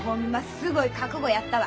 すごい覚悟やったわ。